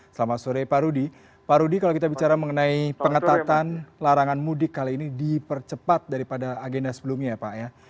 selamat sore pak rudy pak rudy kalau kita bicara mengenai pengetatan larangan mudik kali ini dipercepat daripada agenda sebelumnya ya pak ya